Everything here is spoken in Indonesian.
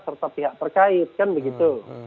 serta pihak terkait